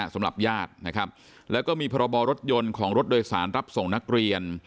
สำหรับญาตินะครับแล้วก็มีพรบรถยนต์ของรถโดยสารรับส่งนักเรียน